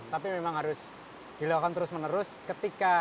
tapi memang harus dilakukan terus menerus ketika